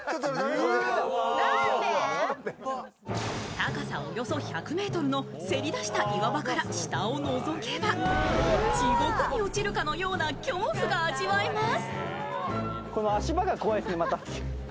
高さおよそ１００ｍのせり出した岩場から下をのぞけば、地獄に落ちるかのような恐怖が味わえます。